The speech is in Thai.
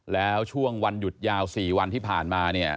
แล้วช่วงวันหยุดยาว๔วันที่ผ่านมาเนี่ย